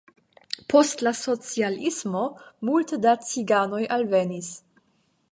Post la socialismo multe da ciganoj alvenis.